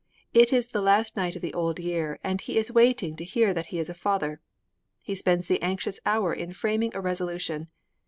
It is the last night of the Old Year, and he is waiting to hear that he is a father. He spends the anxious hour in framing a resolution.